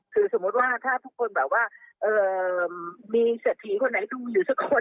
คือสมมุติว่าถ้าทุกคนแบบว่ามีเศรษฐีคนไหนดูอยู่สักคน